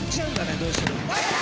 どうしても。